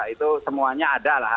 itu semuanya ada lah